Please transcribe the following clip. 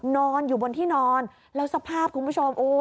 นอนอยู่บนที่นอนแล้วสภาพคุณผู้ชม